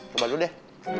coba dulu deh